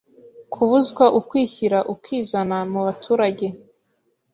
kubuzwa ukwishyira ukizana mubaturage